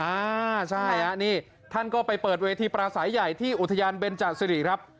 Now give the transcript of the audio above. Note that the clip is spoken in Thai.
อ่าใช่ฮะนี่ท่านก็ไปเปิดเวทีปราศัยใหญ่ที่อุทยานเบนจาสิริครับ